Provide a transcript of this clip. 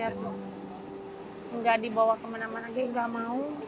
yang bahkan tidak merepitkan permitodelnya